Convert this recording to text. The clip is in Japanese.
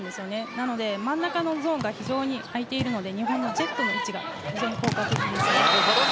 なので、真ん中のゾーンが非常に空いているので日本のジェットの道が非常に効果的かなと思います。